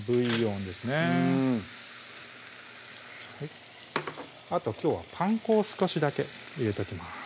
うんあときょうはパン粉を少しだけ入れときます